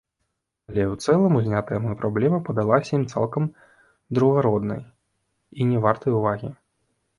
Але ў цэлым узнятая мной праблема падалася ім цалкам другараднай і не вартай увагі.